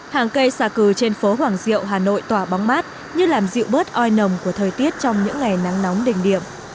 hàng cây xả cư trên phố hoàng diệu hà nội tỏa bóng mát như làm dịu bớt oi nồng của thời tiết trong những ngày nắng nóng đỉnh điểm